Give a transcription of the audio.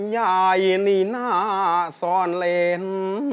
ยายนี่น่าซ่อนเล้น